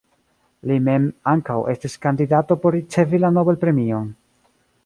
Li mem ankaŭ estis kandidato por ricevi la Nobel-premion.